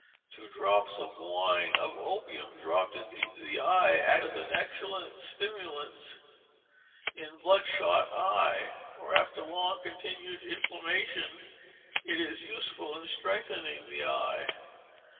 Two drops of the wine of opium dropped into the eye acts as an excellent stimulant in bloodshot eye; or after long continued inflammation, it is useful in strengthening the eye.